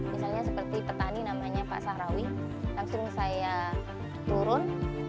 misalnya seperti petani namanya pak sahrawi langsung saya turun